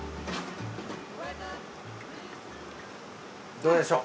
どうでしょう？